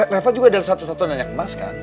rafa juga dari satu satu nanya ke mas kan